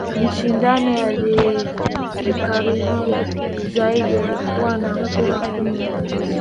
Mshindani aliyemkaribia zaidi alikuwa na kura kumi na tisa